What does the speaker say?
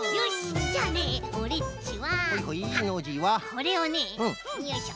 これをねよいしょ。